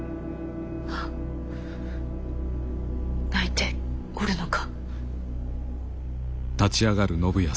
泣いておるのか？